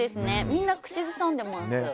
みんな口ずさんでます。